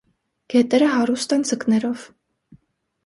Գետերը հարուստ են ձկներով։